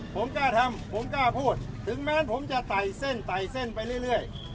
ผมกล้าทำผมกล้าพูดถึงแม้ผมจะไต่เส้นไต่เส้นไปเรื่อย